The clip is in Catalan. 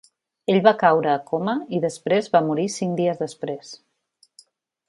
Ell va caure a coma i després va morir cinc dies després.